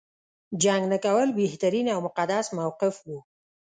جنګ نه کول بهترین او مقدس موقف و.